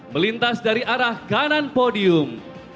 melintas dari arah kanan podium